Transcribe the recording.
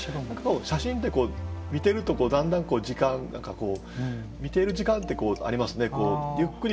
写真って見てるとだんだん時間何かこう見ている時間ってありますね。